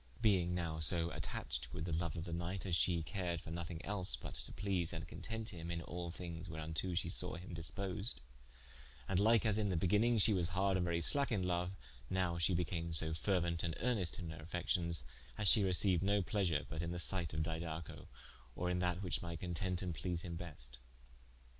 Being now so attached with the loue of the knight as she cared for nothing els, but to please and content him in al things wherunto she sawe him disposed, and like as in the beginning she was harde and very slacke in loue, nowe she became so feruent and earnest in her affections as she receiued no pleasure but in the sight of Didaco, or in that which might content and please him best.